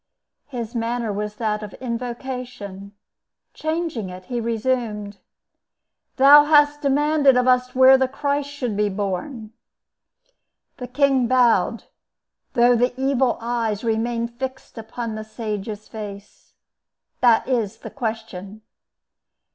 His manner was that of invocation; changing it, he resumed: "Thou hast demanded of us where the Christ should be born." The king bowed, though the evil eyes remained fixed upon the sage's face. "That is the question."